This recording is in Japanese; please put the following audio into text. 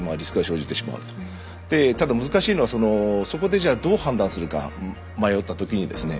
ただ難しいのはそこでじゃあどう判断するか迷った時にですね。